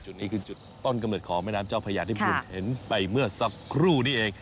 จุดนี้คือจุดต้นกำเนิดของแม่น้ำเจ้าพญาที่คุณเห็นไปเมื่อสักครู่นี้เอง